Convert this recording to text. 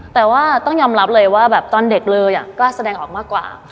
แต่ว่าต้องยอมรับเลยว่าแบบตอนเด็กเลยกล้าแสดงออกมากว่า